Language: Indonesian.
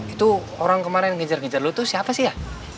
itu orang kemarin kejar kejar lo itu siapa sih ya